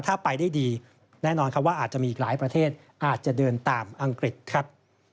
ถ้าไปได้ดีแน่นอนครับว่าอาจจะมีอีกหลายประเทศอาจจะเดินตามอังกฤษครับ